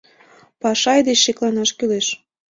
Пашай деч шекланаш кӱлеш.